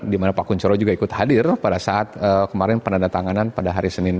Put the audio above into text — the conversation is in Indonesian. dimana pak kuncero juga ikut hadir pada saat kemarin penandatanganan pada hari senin